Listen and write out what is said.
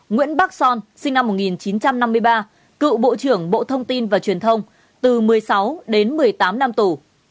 nguyễn bắc son sinh năm một nghìn chín trăm năm mươi ba cựu bộ trưởng bộ thông tin và truyền thông từ một mươi sáu đến một mươi tám năm tù